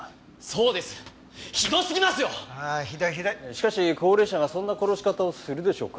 しかし高齢者がそんな殺し方をするでしょうか？